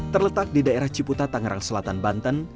terletak di daerah ciputa tangerang selatan banten